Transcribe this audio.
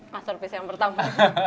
masterpiece yang pertama